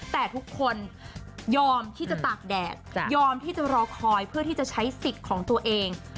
แต่ทุกคนยอมที่จะตากแดดยอมที่จะรอคอยเพื่อที่จะใช้สิทธิ์ของตัวเอง